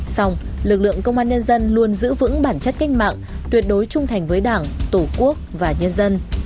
xong lực lượng công an nhân dân luôn giữ vững bản chất cách mạng tuyệt đối trung thành với đảng tổ quốc và nhân dân